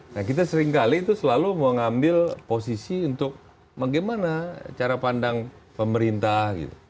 nah kita seringkali itu selalu mengambil posisi untuk bagaimana cara pandang pemerintah gitu